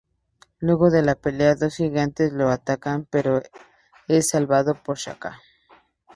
Luego de la pelea dos gigantes lo atacan, pero es salvado por Shaka.